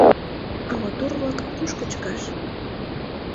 А вот ур-влакым кушко чыкаш?